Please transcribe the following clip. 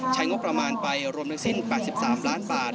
ใช้งบประมาณไปรวมทั้งสิ้น๘๓ล้านบาท